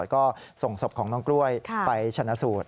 ก็ส่งศพของน้องกล้วยไปชนะสูตร